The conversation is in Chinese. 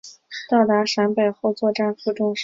到达陕北后作战负重伤。